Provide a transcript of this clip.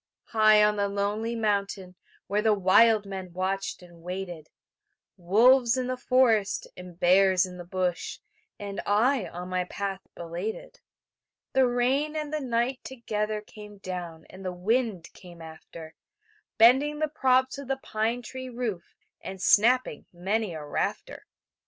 High on the lonely mountain Where the wild men watched and waited; Wolves in the forest, and bears in the bush, And I on my path belated. The rain and the night together Came down, and the wind came after, Bending the props of the pine tree roof And snapping many a rafter.